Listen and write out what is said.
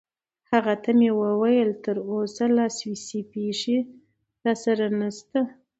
هغه ته مې وویل: تراوسه لا سویسی پیسې راسره نشته.